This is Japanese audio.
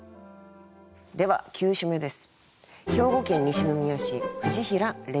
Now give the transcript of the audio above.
では９首目です。